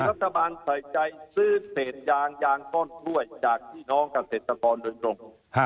รัฐบาลใส่ใจซื้อเศษยางยางต้นกล้วยจากพี่น้องเกษตรกรโดยตรง